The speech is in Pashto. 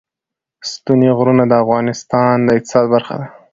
ستوني غرونه د افغانستان د اقتصاد برخه ده.